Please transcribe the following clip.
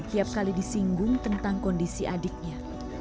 tiap kali disinggung tentang kondisi adiknya